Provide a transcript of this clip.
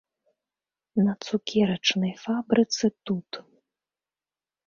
На цукерачнай фабрыцы тут.